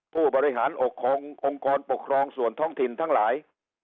ผู้บริหารองค์กรปกครองส่วนท้องถิ่นทั้งหลาย